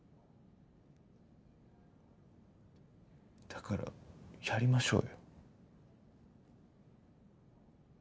だからやりましょうよ。